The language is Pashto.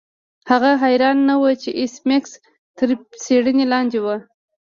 هغه حیران نه و چې ایس میکس تر څیړنې لاندې و